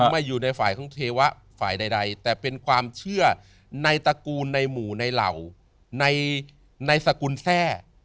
ไม่อยู่ในฝ่ายของเทวะฝ่ายใดแต่เป็นความเชื่อในตระกูลในหมู่ในเหล่าในสกุลแช่